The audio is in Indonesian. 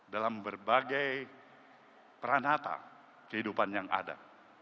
dalam berbagai peranata kehidupan yang ada